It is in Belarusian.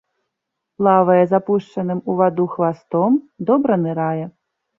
Плавае з апушчаным у ваду хвастом, добра нырае.